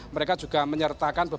mereka juga menyertakan beberapa